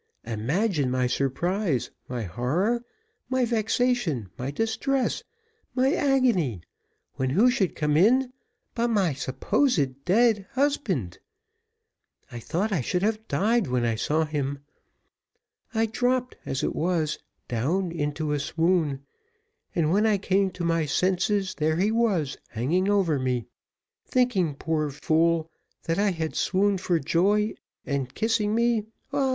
Imagine my surprise, my horror, my vexation, my distress, my agony, when who should come in but my supposed dead husband! I thought I should have died when I saw him. I dropped as it was, down into a swoon, and when I came to my senses, there he was hanging over me; thinking, poor fool, that I had swooned for joy, and kissing me pah!